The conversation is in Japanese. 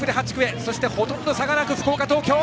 そしてほとんど差がなく福岡と東京。